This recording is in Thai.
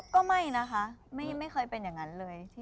ก็ไม่นะคะไม่เคยเป็นอย่างนั้นเลย